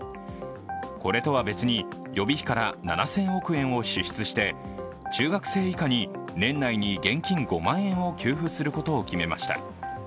これとは別に予備費から７０００億円を支出して、中学生以下に年内に現金５万円を給付することを決めました。